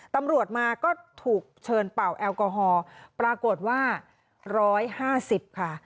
ตำรวจมาก็ถูกเชิญเป่าแอลกอฮอล์ปรากฏว่า๑๕๐ค่ะ